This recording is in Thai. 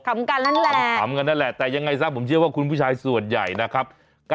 คำกันนั่นแหละแต่ยังไงซะผมเชื่อว่าคุณผู้ชายส่วนใหญ่นะครับ